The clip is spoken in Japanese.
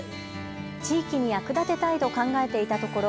地域に役立てたいと考えていたところ